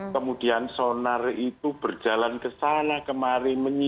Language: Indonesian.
kemudian sonar itu berjalan ke sana kemari